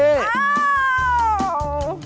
โอ้โฮ